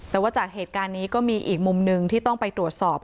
แต่ว่าจากเหตุการณ์นี้ก็มีอีกมุมหนึ่งที่ต้องไปตรวจสอบ